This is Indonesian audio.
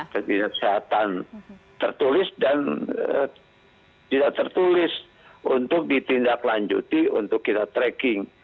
ketidaksehatan tertulis dan tidak tertulis untuk ditindaklanjuti untuk kita tracking